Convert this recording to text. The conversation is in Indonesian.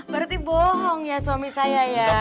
berarti bohong ya suami saya ya